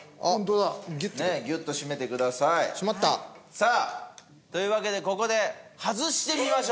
さあというわけでここで外してみましょう。